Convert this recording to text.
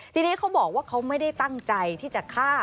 ทีนี้เขาบอกว่าเขาไม่ได้ตั้งใจที่จะฆ่า